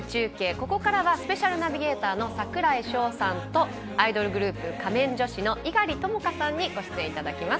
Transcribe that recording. ここからはスペシャルナビゲーターの櫻井翔さんとアイドルグループ仮面女子の猪狩ともかさんにご出演いただきます。